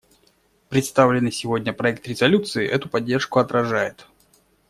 Представленный сегодня проект резолюции эту поддержку отражает.